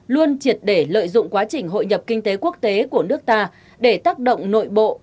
luôn triệt để lợi dụng quá trình hội nhập kinh tế quốc tế của nước ta để tác động nội bộ